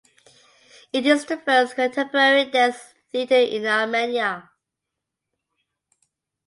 It is the first contemporary dance theatre in Armenia.